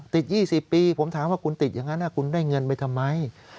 ติด๒๐ปีผมถามว่าคุณติดอย่างนั้นคุณได้เงินไปทำไม